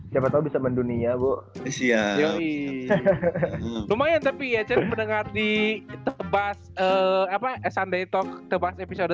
siapa tahu bisa mendunia siap lumayan tapi ya cen mendengar di tebas sunday talk tebas episode